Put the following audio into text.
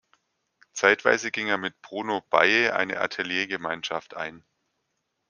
Zeitweise ging er mit Bruno Beye eine Ateliergemeinschaft ein.